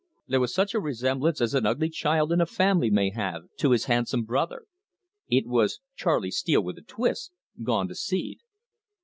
There was such a resemblance as an ugly child in a family may have to his handsome brother. It was Charley Steele with a twist gone to seed.